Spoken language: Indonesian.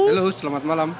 halo selamat malam